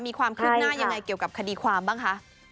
มีความคืบหน้ายังไงเกี่ยวกับคดีความบ้างคะ